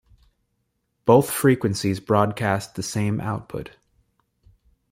Both frequencies broadcast the same output.